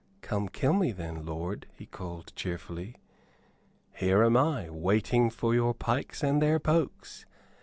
"Come, kill me, then, lord," he called, cheerfully. "Here am I, waiting for your pikes and their pokes.